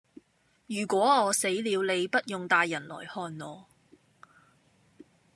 如果我死了你不用帶人來看我